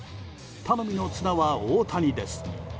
頼みの綱は大谷です。